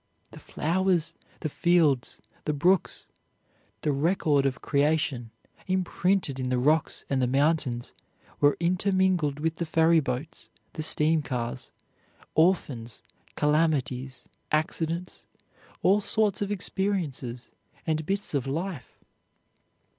The flowers, the fields, the brooks, the record of creation imprinted in the rocks and the mountains were intermingled with the ferryboats, the steam cars, orphans, calamities, accidents, all sorts of experiences and bits of life.